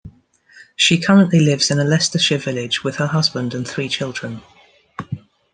She currently lives in a Leicestershire village with her husband and three children.